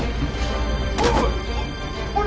あれ！